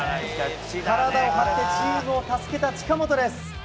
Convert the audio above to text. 体を張ってチームを助けた近本です。